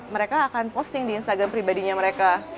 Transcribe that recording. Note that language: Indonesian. mereka akan posting di instagram pribadinya mereka